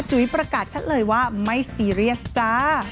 จุ๋ยประกาศชัดเลยว่าไม่ซีเรียสจ้า